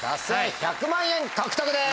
１００万円獲得です！